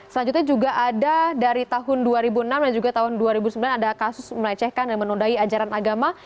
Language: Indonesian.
selanjutnya juga ada dari tahun dua ribu enam dan juga tahun dua ribu sembilan ada kasus melecehkan dan menodai ajaran agama